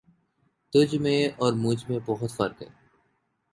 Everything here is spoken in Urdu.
تجھ میں اور مجھ میں بہت فرق ہے